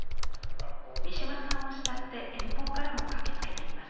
三島さんを慕って遠方からも駆けつけています。